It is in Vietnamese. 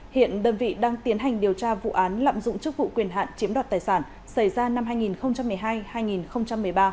hiện đơn vị đang tiến hành điều tra vụ án lạm dụng chức vụ quyền hạn chiếm đoạt tài sản xảy ra năm hai nghìn một mươi hai hai nghìn một mươi ba